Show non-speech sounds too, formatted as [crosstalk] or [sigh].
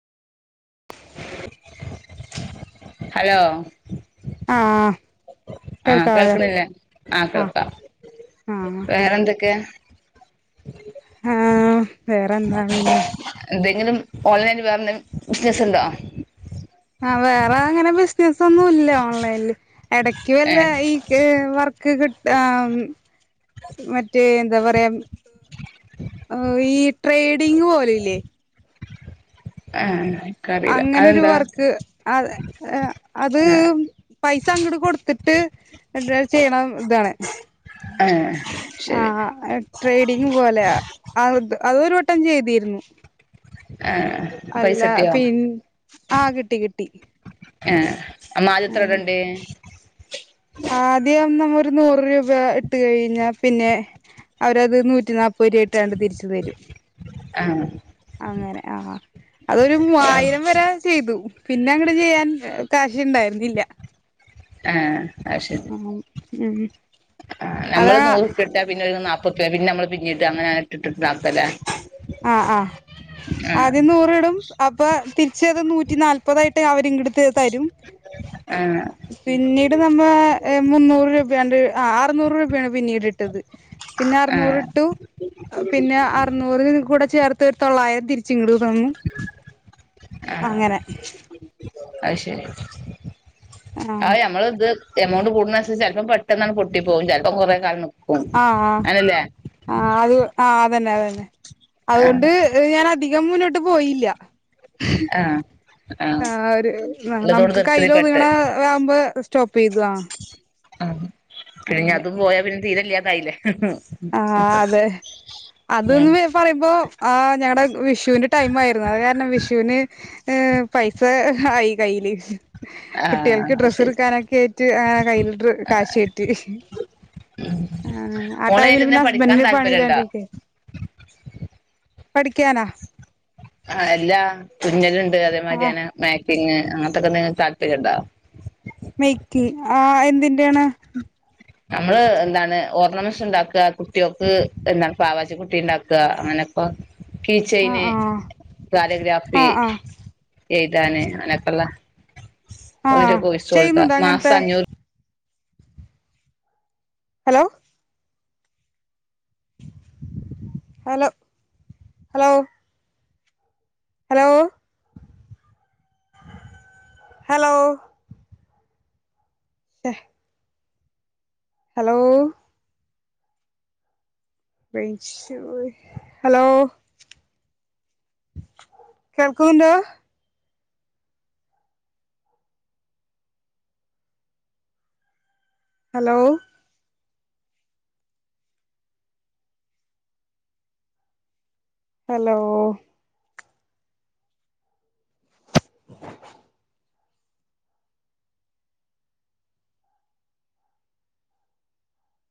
Hello. ആഹ്. ആഹ് കേൾക്കാവല്ലേ കേൾക്ണില്ലേ? ആഹ് കേൾക്കാം. ആഹ് ഇപ്പെങ്ങനെണ്ട് കെ ആഹ് വേറെന്താ പിന്നെ എന്തെങ്കിലും ഓൺലൈനിൽ വേറെന്തേലും ബിസിനസ്സ്ണ്ടൊ? ആഹ് വേറെ അങ്ങനെ ബിസിനസൊന്നു ഇല്ല ഓൺലൈനില്. എടക്ക് വല്ല ഏഹ് ഈകെ വർക്ക് ർക് കിട്ടാ ഉം മറ്റേ എന്താ പറയാ? ഈ ട്രേഡിങ് പോലില്ലേ? ഏഹ് അങ്ങനൊരു വർക്ക് അത് എ അത് ആഹ് പൈസങ്ട് കൊടുത്ത്ട്ട് [unintelligible] ചെയ്യ്ണ ഇതാണ്. ആഹ് ശരി ആഹ് ട്രേഡിങ് പോലെയാ. അ അഹ്‌ ഒരുവട്ടം ചെയ്തിരുന്നു. ഏഹ്. അല്ലാ പിൻ ആഹ് കിട്ടി കിട്ടി. ഏഹ് നമ്മാദ്യത്രയാ ആഹ് ഇടണ്ടേയ്? ആദ്യം നമ്മൊരു നൂറ് രൂപ ഇട്ട് കഴിഞ്ഞാ പിന്നെ അവരത് നൂറ്റി നാപത് പൊരിട്ടാണ്ട് തിരിച്ചു തരും. ആഹ് അങ്ങനെ ആ ആ അതൊരു മൂവായിരം വരെ ചെയ്തു. പിന്നങ്ങട് ചെയ്യാൻ കാശ്ണ്ടായിരുന്നില്ല. ഏഹ്. ആഹ്. ഉം അതാ നമ്മള് നൂറുപ്പിട്ടാ പിന്നൊരു നാപ്പുർപ്യ. പിന്നമ്മള് പിന്നീടാങ്ങനെ അങ്ങനെ ഇട്ട് ഇട്ടിട്ടാക്കല്ലേ? ആ ആഹ്. ആദ്യം നൂറിടും അപ്പൊ തിരിച്ചത് നൂറ്റി നാല്പതായിട്ട് അവരിങ്ങട് ത് തരും. ഏഹ് പിന്നീട് നമ്മേ മുന്നൂറ് രൂപയാണ്ട് ആ അറ്ന്നൂറ് രൂപയാണ് പിന്നീട് ഇട്ടത്. പിന്ന ആഹ് അറുന്നൂറിട്ടു. പിന്നെ അറുന്നൂറിന് കൂടെ ചേർത്ത് ഒരു തൊള്ളായിരത്തി ചിങ്ങട് തന്നു. അങ്ങനെ അത് ശെരി ആഹ് ഞമ്മൾ ഇത് എമൗണ്ട് കൂടുന്നൻസര്ച്ച് ചെലപ്പം പെട്ടെന്ന് ആണ്ട് പൊട്ടി പോകും. ചെൽപ്പോം കൊറേ കാലം നി ആഹ് ആഹ് ആ അത് ആ അതന്നെ അതെന്നെ അതുകൊണ്ട് ആഹ് ഞാൻ അധികം മുന്നോട്ട് പോയില്ല. ഏഹ്. ആഹ് ഒരു നമുക്ക് കയ്ല് തൃപ്തിപ്പെട്ട് ഒത്ങ്ങ്ണ ഇതാവുമ്പോ സ്റ്റോപ്പ് ചെയ്തൊ. ആ പിന്നെ അതും പോയാ പിന്നെ തീരെല്ലാതായിലെ. ആഹ് ഉം പറിമ്പോ ആ ഞങ്ങടെ വിഷൂന്റെ ടൈം ആയിരുന്നു. അത് കാരണം വിഷൂന് ഏ പൈസ ആയി കയ്ല്. ആഹ് കുട്ട്യേൾക്ക് അത് ഡ്രസ്സ് ശരി എടുക്കാനൊക്കെ ആയിറ്റ് ആ കയ്യില് കാശ് കിട്ടി. ആഹ് ഉം ആ ടൈമില് പിന്നെ ഹസ്ബന്റ് ന് പണി ഇല്ലാണ്ടിരിക്കെ പഠിക്കാനൊ. ആ എല്ലാ തുന്നല്ണ്ട് അതേമാരി ആഹ് അങ്ങനെ മാക്കിങ് അങ്ങൻത്തൊക്കെ നിങ്ങക്ക് താല്പര്യം ഇണ്ടോ. മെയ്ക്ക് ആ എന്തിന്റെ ആണ്. നമ്മള് എന്താണ് ഓർണമെന്റ്സ് ബണ്ടാക്ക. കുട്ടികൾക്ക് എന്താണ് പാവാച്ച കുട്ടി ഇണ്ടാക് അങ്ങനെപ്പൊ ആഹ് കീച്ചൈന് ആഹ് കാരോഗ്രാഫി ആഹ് ആഹ് ചെയ്താന് അനക്കെള്ള ആഹ് ഒരൊക്കെഴിച്ച കൊടുത്ത ചെയ്യുന്നുണ്ട് അങ്ങനത്തെ മാസം അഞ്ഞൂറ് hello hello hello hello hello ആഹ ഹലോ ഹലോ കേൾക്കുണ്ടോ ഹലോ ഹലോ [inaudible]